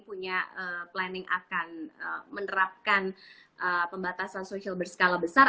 punya planning akan menerapkan pembatasan sosial berskala besar